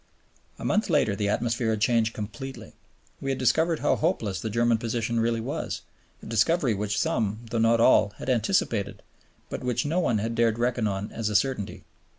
A month later the atmosphere had changed completely. We had discovered how hopeless the German position really was, a discovery which some, though not all, had anticipated, but which no one had dared reckon on as a certainty.